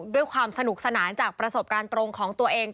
ด้วยความสนุกสนานจากประสบการณ์ตรงของตัวเอง